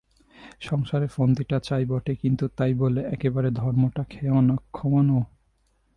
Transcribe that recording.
সংসারে ফন্দিটা চাই বটে, কিন্তু তাই বলে একেবারে ধর্মটা খোয়ানো?